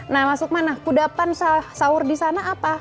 nah mas lukman nah kudapan sahur di sana apa